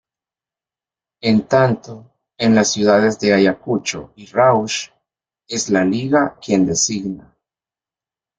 En tanto, en las ciudades de Ayacucho y Rauch, es la Liga quien designa.